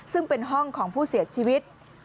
ซึ่งเป็นห้องของผู้เสียชีวิต